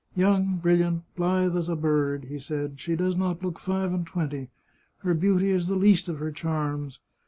" Young, brilliant, blithe as a bird," he said, " she does not look five and twenty. Her beauty is the least of her charms.